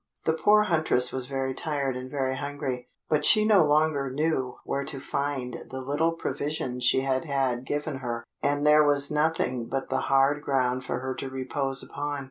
The poor huntress was very tired and very hungry, but she no longer knew where to find the little provision she had had given her, and there was nothing but the hard ground for her to repose upon.